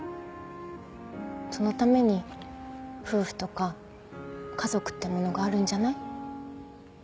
そのために夫婦とか家族ってものがあるんじゃない？